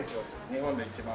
日本で一番。